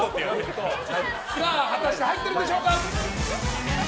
果たして入ってるんでしょうか。